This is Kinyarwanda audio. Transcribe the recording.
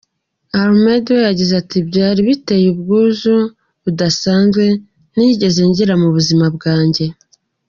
Almeda we yagize ati “ Byari biteye ubwuzu budasanzwe ntigeze ngira mu buzima bwanjye.